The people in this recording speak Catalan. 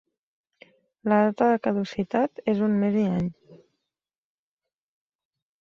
La data de caducitat és un mes i any.